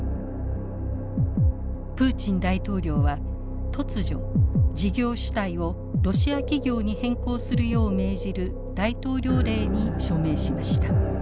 プーチン大統領は突如事業主体をロシア企業に変更するよう命じる大統領令に署名しました。